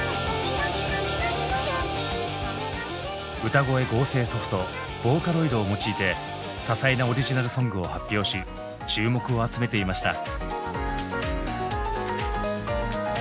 歌声合成ソフト「ＶＯＣＡＬＯＩＤ」を用いて多彩なオリジナルソングを発表し注目を集めていました。